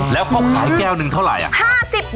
แล้วเขาขายแก้วหนึ่งเท่าไหร่